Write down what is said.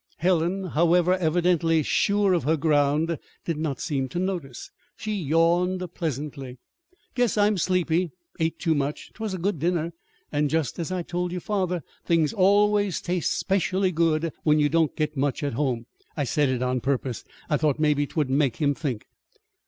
Helen, however, evidently sure of her ground, did not seem to notice. She yawned pleasantly. "Guess I'm sleepy. Ate too much. 'Twas a good dinner; and, just as I told your father, things always taste especially good when you don't get much at home. I said it on purpose. I thought maybe 'twould make him think."